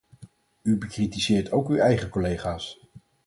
U bekritiseert ook uw eigen collega's.